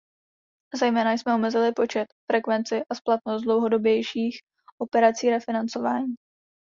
Zejména jsme omezili počet, frekvenci a splatnost dlouhodobějších operací refinancování.